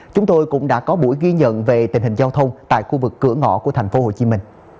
chúng tôi cũng đã có buổi ghi nhận về tình hình giao thông tại khu vực cửa ngõ của tp hcm